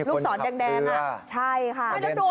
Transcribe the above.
เกือบไปแล้ว